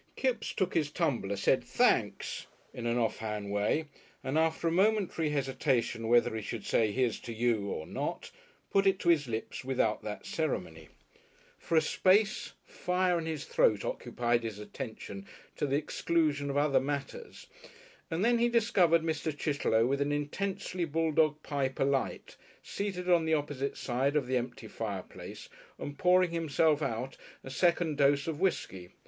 Kipps took his tumbler, said "Thenks" in an off hand way, and after a momentary hesitation whether he should say "here's to you!" or not, put it to his lips without that ceremony. For a space fire in his throat occupied his attention to the exclusion of other matters, and then he discovered Mr. Chitterlow with an intensely bulldog pipe alight, seated on the opposite side of the empty fireplace and pouring himself out a second dose of whiskey.